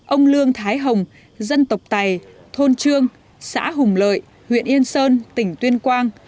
ông lương thái hồng dân tộc tày thôn trương xã hùng lợi huyện yên sơn tỉnh tuyên quang